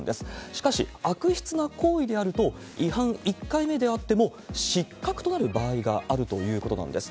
しかし、悪質な行為であると、違反１回目であっても失格となる場合があるということなんです。